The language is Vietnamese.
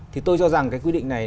thì tôi cho rằng cái quy định này